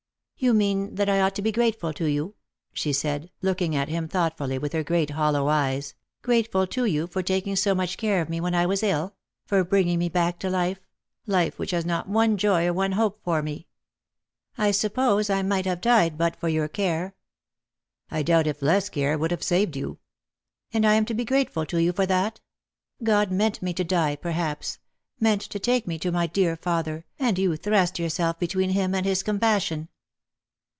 " You mean that I ought to be grateful to you ?" she said, looking at him thoughtfully with her great hollow eyes ;" grateful to you for taking so much care of me when I was ill ; for bringing me back to life — life which has not one joy or one hope for me. I suppose I might have died but for your care? "" I doubt if less care would have saved you." " And I am to be grateful to you for that ? God meant me to die, perhaps — meant to take me to my dear father, and you thrust yourself between Him and his compassion."